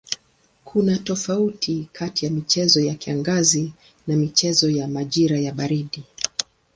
Kuna tofauti kati ya michezo ya kiangazi na michezo ya majira ya baridi.